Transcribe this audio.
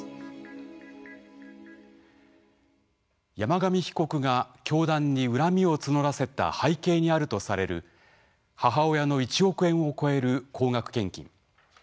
山上被告が教団に恨みを募らせた背景にあるとされる母親の１億円を超える高額献金。